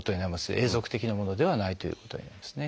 永続的なものではないということになりますね。